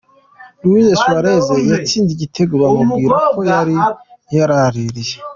Louis Suarez yatsinze igitego bamubwira ko yari yararaririye .